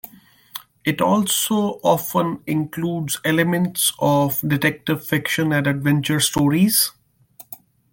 It also often includes elements of detective fiction and adventure stories.